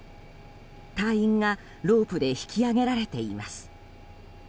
隊員がロープで引き上げられています。